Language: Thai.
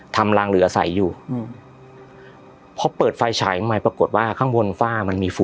รางเหลือใส่อยู่อืมพอเปิดไฟฉายใหม่ปรากฏว่าข้างบนฝ้ามันมีฝน